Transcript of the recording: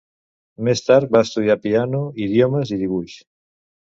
Més tard, va estudiar piano, idiomes i dibuix.